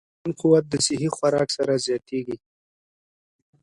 د بدن قوت د صحي خوراک سره زیاتېږي.